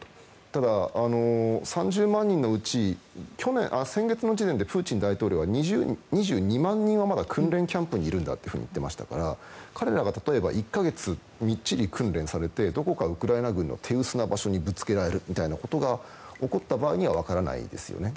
ただ、３０万人のうち先月の時点でプーチン大統領は２２万人がまだ訓練キャンプにいるんだと言ってましたから彼らが例えば１か月みっちり訓練されてどこかウクライナ軍の手薄な場所にぶつけられるみたいなことが起こった場合には分からないですよね。